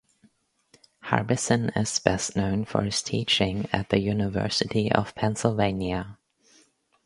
Harbeson is best known for his teaching at the University of Pennsylvania.